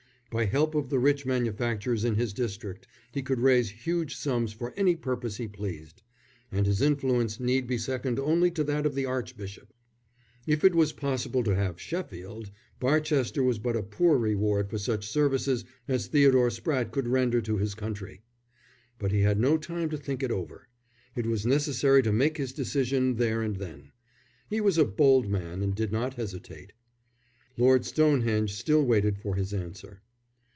By help of the rich manufacturers in his district he could raise huge sums for any purpose he pleased, and his influence need be second only to that of the archbishop. If it was possible to have Sheffield, Barchester was but a poor reward for such services as Theodore Spratte could render to his country. But he had no time to think it over. It was necessary to make his decision there and then. He was a bold man and did not hesitate. Lord Stonehenge still waited for his answer.